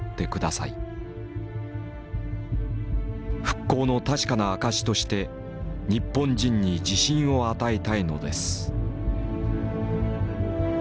復興の確かな証しとして日本人に自信を与えたいのです」。